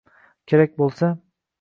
Kerak bo’lsa